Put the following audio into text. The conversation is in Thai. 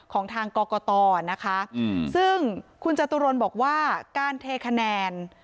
ของทางกรกตนะคะซึ่งคุณจตุรนบอกว่าการเทคะแนน